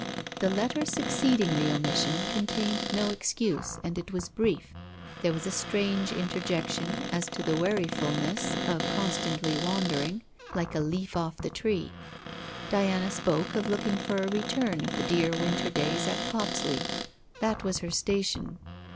The letter succeeding the omission contained no excuse, and it was brief. There was a strange interjection, as to the wearifulness of constantly wandering, like a leaf off the tree. Diana spoke of looking for a return of the dear winter days at Copsley. That was her station.